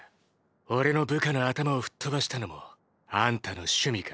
俺の部下の頭をフッ飛ばしたのもあんたの趣味か？